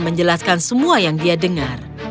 menjelaskan semua yang dia dengar